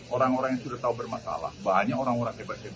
orang orang yang sudah tahu bermasalah banyak orang orang bebas